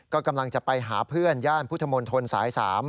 ก็กำลังจะไปหาเพื่อนย่านพุทธมนตรสาย๓